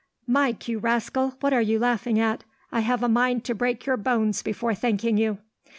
"Mike, you rascal, what are you laughing at? I have a mind to break your bones before thanking you."